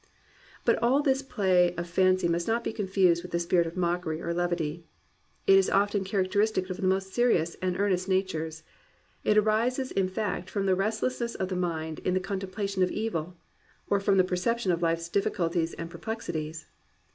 But all this play of fancy must not be confused with the spirit of mockery or of levity. It is often characteristic of the most seri ous and earnest natures; it arises in fact from the restlessness of mind in the contemplation of evil, or from the perception of life's diflSculties and per plexities.